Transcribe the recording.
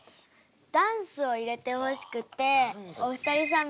ダンスを入れてほしくてお二人さん